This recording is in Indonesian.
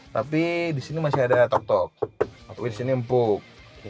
tapi disini masih ada tok tok